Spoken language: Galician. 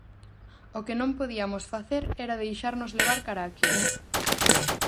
O que non podiamos facer era deixarnos levar cara aquilo.